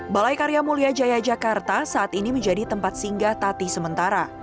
balai karya mulia jaya jakarta saat ini menjadi tempat singgah tati sementara